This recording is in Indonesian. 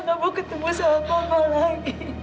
gak mau ketemu sama papa lagi